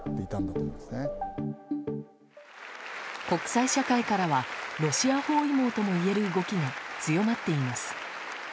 国際社会からはロシア包囲網ともいえる動きが強まっています。